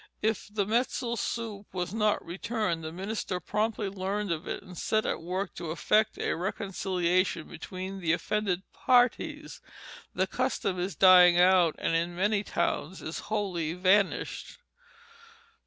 If the metzel soup were not returned, the minister promptly learned of it and set at work to effect a reconciliation between the offended parties. The custom is dying out, and in many towns is wholly vanished.